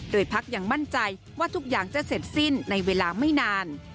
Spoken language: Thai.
โดยพักยังมั่นใจว่าทุกอย่างจะเสร็จสิ้นในเวลาไม่นาน